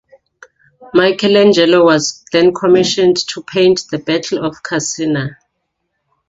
Michelangelo was then commissioned to paint the "Battle of Cascina".